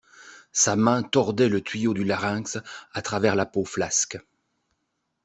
Sa main tordait le tuyau du larynx à travers la peau flasque.